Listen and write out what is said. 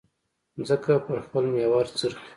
مځکه پر خپل محور څرخي.